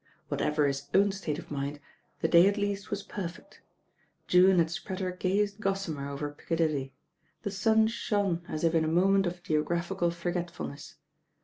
Whatever his own state of mind» the day at least was perfect. June had spread her gayest gossamer over Piccadilly. The sun shone as if in a moment of geographical forgetfulness.